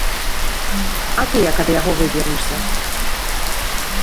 А ты як ад яго вывернешся?